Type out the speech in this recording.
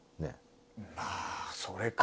あそれか。